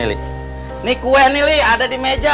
ini kue nih li ada di meja